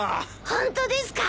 ホントですか？